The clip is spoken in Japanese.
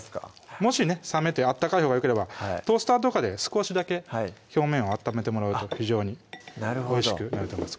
もしね冷めて温かいほうがよければトースターとかで少しだけ表面を温めてもらうと非常においしくなると思います